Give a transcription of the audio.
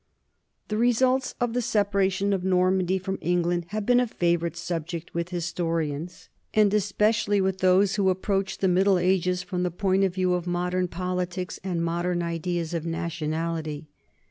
The results of the separation of Normandy from NORMANS IN EUROPEAN HISTORY England have been a favorite subject with historians, and especially with those who approach the Middle Ages from the point of view of modern politics and modern ideas of nationality.